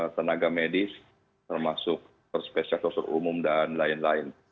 tenaga medis termasuk perspesial khusus umum dan lain lain